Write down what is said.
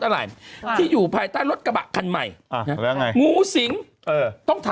เนี่ยมาตอกไปไปไหน